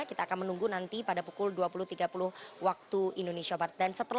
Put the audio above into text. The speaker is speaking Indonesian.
kita akan menunggu nanti pada pukul dua puluh tiga puluh waktu indonesia barat